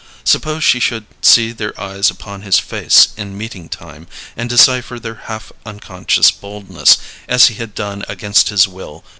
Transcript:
Suppose she should see their eyes upon his face in meeting time, and decipher their half unconscious boldness, as he had done against his will.